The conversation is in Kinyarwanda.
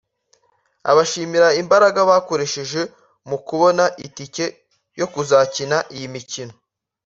Abashimira imbaraga bakoresheje mu kubona itike yo kuzakina iyi mikino